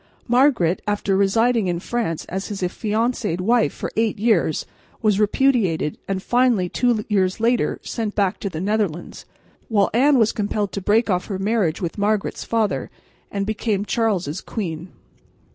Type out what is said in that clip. Margaret, after residing in France as his affianced wife for eight years, was repudiated and finally, two years later, sent back to the Netherlands, while Anne was compelled to break off her marriage with Margaret's father, and became Charles' queen.